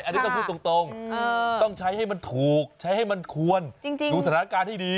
อันนี้ต้องพูดตรงต้องใช้ให้มันถูกใช้ให้มันควรดูสถานการณ์ให้ดี